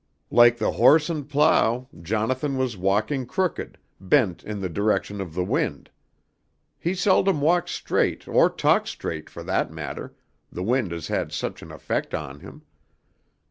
"Like the horse and plough, Jonathan was walking crooked, bent in the direction of the wind. He seldom walks straight or talks straight for that matter, the wind has had such an effect on him.